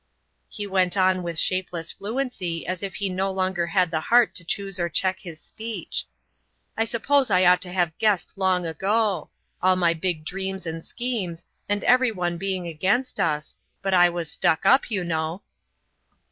He went on with shapeless fluency as if he no longer had the heart to choose or check his speech. "I suppose I ought to have guessed long ago all my big dreams and schemes and everyone being against us but I was stuck up, you know."